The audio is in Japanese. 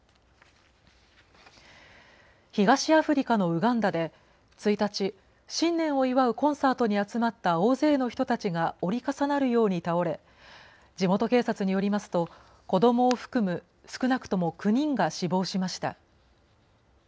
東アフリカのウガンダで１日、新年を祝うコンサートに集まった大勢の人たちが折り重なるように倒れ、地元警察によりますと、子どもを含む少なくとも９人が死亡しました。